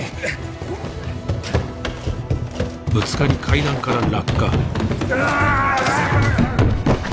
ぶつかり階段から落下ああっ！